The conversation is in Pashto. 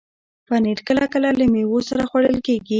پنېر کله کله له میوو سره خوړل کېږي.